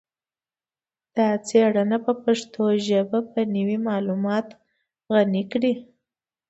دا څیړنه به پښتو ژبه په نوي معلوماتو غني کړي